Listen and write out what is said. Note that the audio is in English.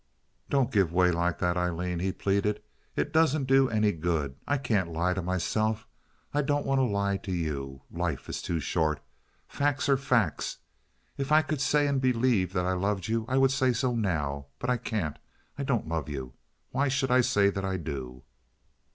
"Don't give way like that, Aileen," he pleaded. "It doesn't do any good. I can't lie to myself. I don't want to lie to you. Life is too short. Facts are facts. If I could say and believe that I loved you I would say so now, but I can't. I don't love you. Why should I say that I do?"